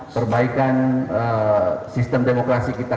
perbaikan sistem demokrasi kita ke depan